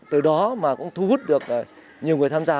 từ đó mà cũng thu hút được nhiều người tham gia